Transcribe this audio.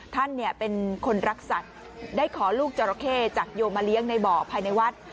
ท่านเป็นคนรักสัตว์ได้ขอลูกจราเข้จากโยมมาเลี้ยงในบ่อภายในวัด